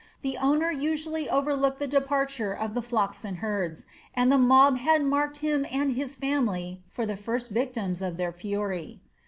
The owner usually overlooked the departure of the flocks and herds, and the mob had marked him and his family for the first victims of their fury.